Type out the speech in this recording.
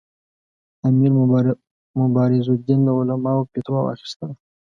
امیر مبارزالدین له علماوو فتوا واخیستله.